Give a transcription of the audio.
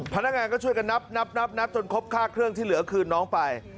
พนักงานก็ช่วยกันนับนับจนครบค่าเครื่องที่เหลือคืนน้องไป